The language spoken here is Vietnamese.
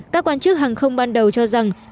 các quan chức hàng không ban đầu cho rằng